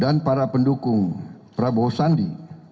dan para pendukung prabowo sandi